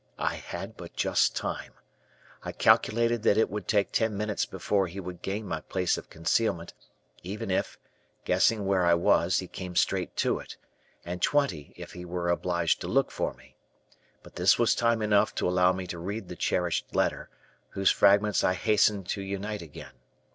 I had but just time. I calculated that it would take ten minutes before he would gain my place of concealment, even if, guessing where I was, he came straight to it; and twenty if he were obliged to look for me. But this was time enough to allow me to read the cherished letter, whose fragments I hastened to unite again.